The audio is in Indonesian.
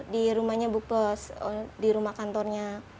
di rumahnya di rumah kantornya